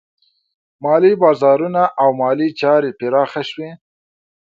مالي بازارونه او مالي چارې پراخه شوې.